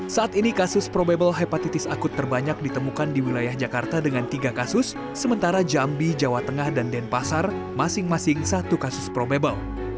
saat ini kasus probable hepatitis akut terbanyak ditemukan di wilayah jakarta dengan tiga kasus sementara jambi jawa tengah dan denpasar masing masing satu kasus probable